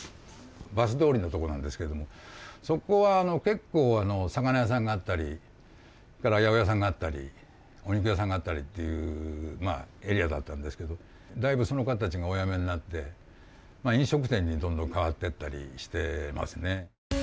バス通りのとこなんですけどもそこは結構魚屋さんがあったり八百屋さんがあったりお肉屋さんがあったりっていうまあエリアだったんですけどだいぶその方たちがお辞めになって飲食店にどんどん変わってったりしてますね。